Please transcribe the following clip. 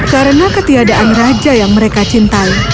karena ketiadaan raja yang mereka cintai